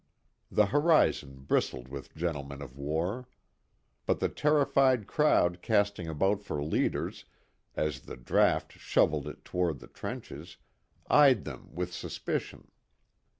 The horizon bristled with gentlemen of war. But the terrified crowd casting about for leaders, as the draft shovelled it toward the trenches, eyed them with suspicion.